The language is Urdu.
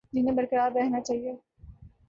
جنہیں برقرار رہنا چاہیے